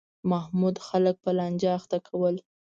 محمود خلک په لانجه اخته کول.